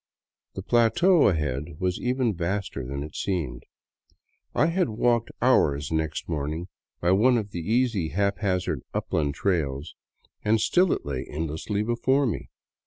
The plateau ahead was even vaster than it seemed. I had walked hours next morning by one of those easy haphazard upland trails, and still it lay endless before me.